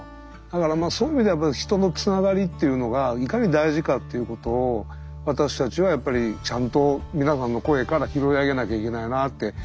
だからそういう意味では人のつながりっていうのがいかに大事かっていうことを私たちはやっぱりちゃんと皆さんの声から拾い上げなきゃいけないなって。